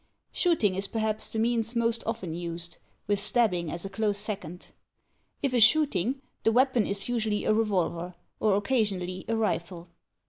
Shooting is perhaps the means most often used, with stabbing as a close second. If a shooting, the weapon is usually a revolver, or occasionally a rifle.